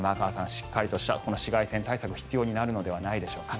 しっかりとした紫外線対策が必要になるのではないでしょうか。